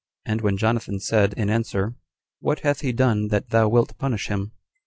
And when Jonathan said, in answer, "What hath he done that thou wilt punish him?"